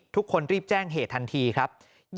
ทุกคนรีบแจ้งเหตุทันทีครับ